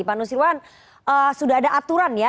pak nusirwan sudah ada aturan ya